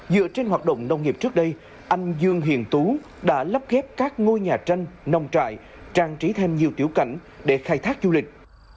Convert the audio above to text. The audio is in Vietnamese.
dựa trên hoạt động nông nghiệp trước đây anh dương hiền tú đã lắp ghép các ngôi nhà tranh nông trại trang trí thêm nhiều tiểu cảnh để khai thác du lịch